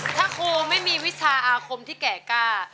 ถ้าครูไม่มีวิชาอาคมที่แก่กล้า